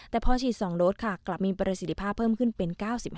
แต่พอฉีด๒โดสค่ะกลับมีประสิทธิภาพเพิ่มขึ้นเป็น๙๕